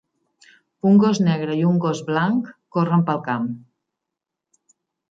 Un gos negre i un gos blanc corren pel camp.